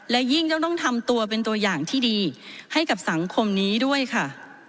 และยิ่งต้องทำตัวเป็นตัวอย่างที่ดีให้กับสังคมนี้ด้วยค่ะ